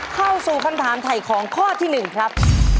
เข้าสู่คำถามถ่ายของข้อที่๑ครับ